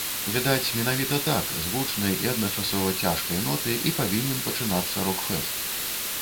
Відаць менавіта так, з гучнай і адначасова цяжкай ноты і павінен пачынацца рок-фэст.